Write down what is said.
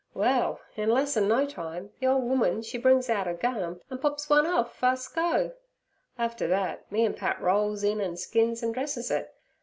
Well, in less 'an no time, the ole woman she brings out ther gun and pops one off fust go. After thet me an' Pat rolls in an' skins an' dresses it.